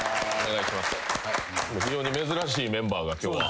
非常に珍しいメンバーが今日は。